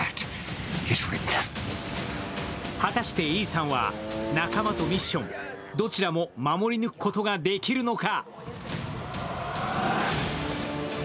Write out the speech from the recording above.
果たしてイーサンは仲間とミッションどちらも守り抜くことができるのか。